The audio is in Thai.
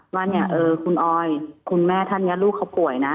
ว่าคุณออยคุณแม่ท่านยัดลูกเขาป่วยนะ